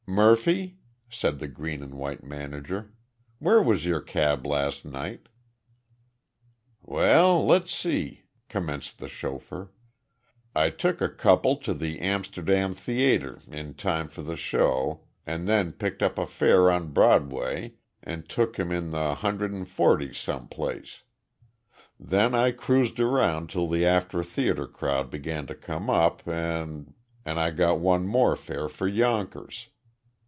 "Murphy," said the Green and White manager, "where was your cab last night?" "Well, let's see," commenced the chauffeur. "I took a couple to the Amsterdam The ayter in time for th' show an' then picked up a fare on Broadway an' took him in the Hunnerd an' forties some place. Then I cruised around till the after theater crowd began to come up an' an' I got one more fare for Yonkers.